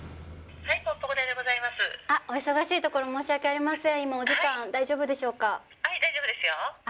あっお忙しいところ申し訳ありません